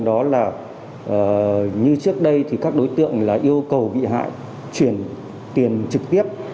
đó là như trước đây thì các đối tượng là yêu cầu bị hại chuyển tiền trực tiếp